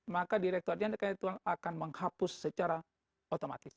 maka direktur adanya kakak intelektual akan menghapus secara otomatis